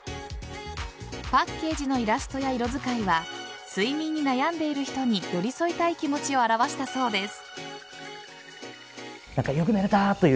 パッケージのイラストや色使いは睡眠に悩んでいる人に寄り添いたい気持ちを表したそうです。